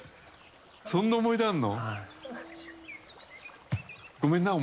そんな思い出あんの。